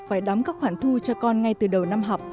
phải đóng các khoản thu cho con ngay từ đầu năm học